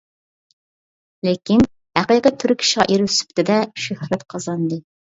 لېكىن ھەقىقىي تۈرك شائىرى سۈپىتىدە شۆھرەت قازاندى.